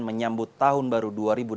menyambut tahun baru dua ribu delapan belas